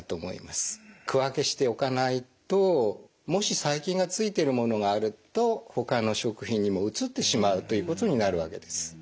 区分けしておかないともし細菌がついているものがあるとほかの食品にもうつってしまうということになるわけです。